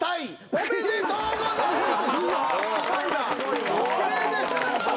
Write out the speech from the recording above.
ありがとうございます。